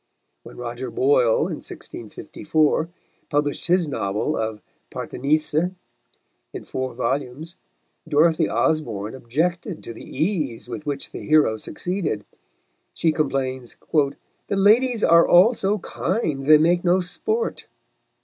When Roger Boyle, in 1654, published his novel of Parthenissa, in four volumes, Dorothy Osborne objected to the ease with which the hero succeeded; she complains "the ladies are all so kind they make no sport."